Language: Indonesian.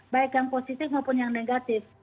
baik yang positif maupun yang negatif